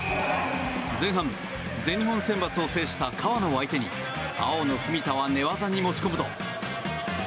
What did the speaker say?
前半、全日本選抜を制した河名を相手に青の文田は寝技に持ち込むと。